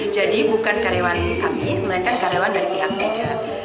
jadi bukan karyawan kami melainkan karyawan dari pihak kita